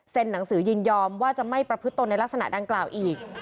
หนังสือยินยอมว่าจะไม่ประพฤตนในลักษณะดังกล่าวอีก